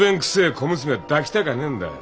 小娘は抱きたかねえんだよ。